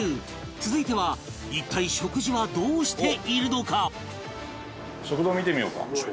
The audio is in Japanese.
続いては一体食事はどうしているのか？